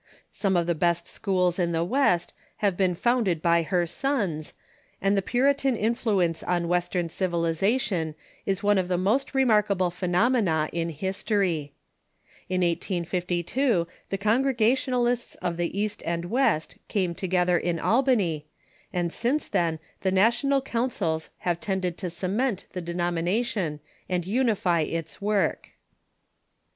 Some of the best schools in the West have been founded by her sons, and the Puritan influ 512 THE CHURCH IN THK UNITED STATES ence on Western civilization is one of the most remarkable phenomena in history. In 1852 the Congregationalists of the East and West came together in Albany, and since then the National Councils have tended to cement the denomination and unify its work.